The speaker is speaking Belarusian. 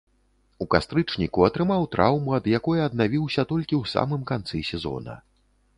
У кастрычніку атрымаў траўму, ад якой аднавіўся толькі ў самым канцы сезона.